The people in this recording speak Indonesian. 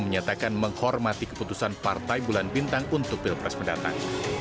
menyatakan menghormati keputusan partai bulan bintang untuk pilpres mendatang